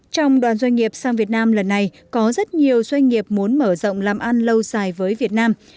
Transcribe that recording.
trong đoàn doanh nghiệp sang việt nam lần này có rất nhiều doanh nghiệp muốn mở rộng làm ăn lâu dài với việt nam